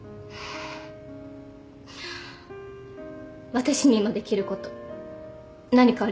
私に今できること何かありますか？